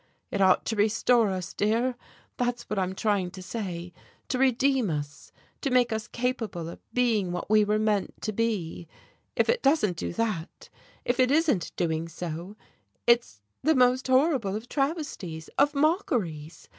It ought to restore us, dear that's what I'm trying to say to redeem us, to make us capable of being what we were meant to be. If it doesn't do that, if it isn't doing so, it's the most horrible of travesties, of mockeries.